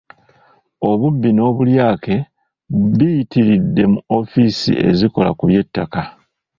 Obubbi n’obulyake biyitiridde mu ofiisi ezikola ku by’ettaka.